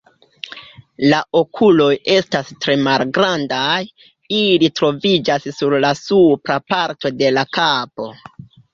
La okuloj estas tre malgrandaj, ili troviĝas sur la supra parto de la kapo.